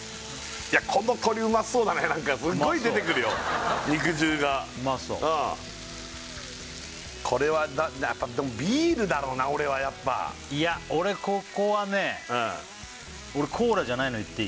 この鶏うまそうだねすっごい出てくるよ肉汁がうまそうこれはやっぱでもビールだろうな俺はやっぱいや俺ここはね俺コーラじゃないのいっていい？